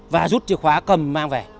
và rút chìa khóa cầm mang về